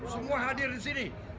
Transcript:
semua hadir di sini